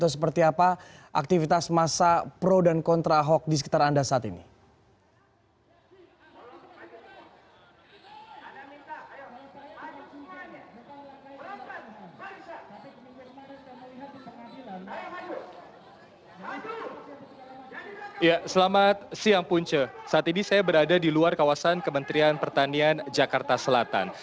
saat ini saya berada di luar kawasan kementerian pertanian jakarta selatan